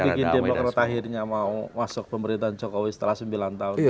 bikin demokrat akhirnya mau masuk pemerintahan jokowi setelah sembilan tahun